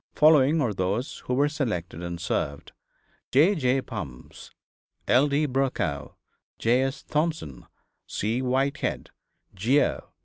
Following are those who were selected and served: J. J. Bumfs, L. D. Brokow, J. H. Thompson, C. Whitehead, Geo.